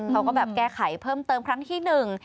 เขาก็แบบแก้ไขเพิ่มเติมครั้งที่หนึ่ง